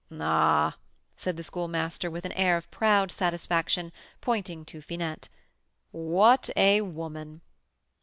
"Ah!" said the Schoolmaster, with an air of proud satisfaction, pointing to Finette, "what a woman!"